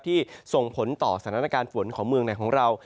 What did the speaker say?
ส่งผลต่อสถานการณ์ฝนของเมืองไหนของเรา